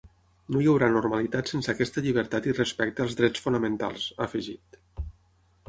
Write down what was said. No hi haurà normalitat sense aquesta llibertat i respecte als drets fonamentals, ha afegit.